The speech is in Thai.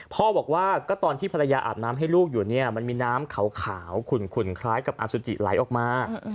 พ่อบอกว่าก็ตอนที่ภรรยาอาบน้ำให้ลูกอยู่เนี่ยมันมีน้ำขาวขุ่นคล้ายกับอสุจิไหลออกมา